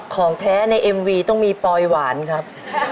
ของแท้ในเอ็มวีต้องมีปลอยหวานครับ